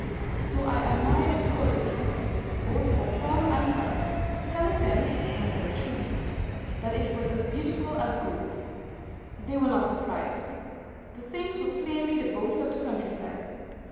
So I admired it cordially both for form and colour, telling them, and very truly, that it was as beautiful as gold. They were not surprised. The things were plainly the boast of the countryside.